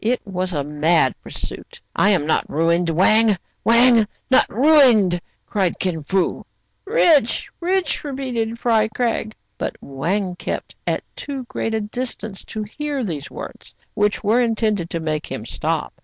It was a mad pursuit. "I am not ruined ! Wang, Wang! not ruined!*' cried Kin Fo. " Rich, rich !" repeated Fry Craig. But Wang kept at too great a distance to hear these words, which were intended to make him stop.